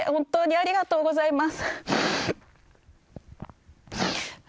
ありがとうございます。